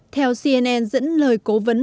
theo cnn dẫn lời cố vấn